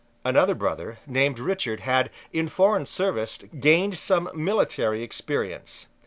Another brother, named Richard, had, in foreign service, gained some military experience.